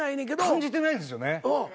感じてないんすよね。